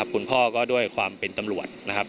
คุณพ่อก็ด้วยความเป็นตำรวจนะครับ